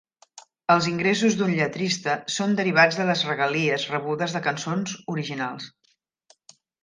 Els ingressos d'un lletrista són derivats de les regalies rebudes de cançons originals.